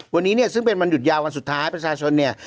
วันนี้เนี่ยซึ่งเป็นวันหยุดยาววันสุดท้ายประชาชนเนี่ย